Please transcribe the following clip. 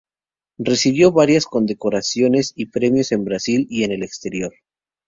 Recibió varias condecoraciones y premios, en Brasil y en el exterior.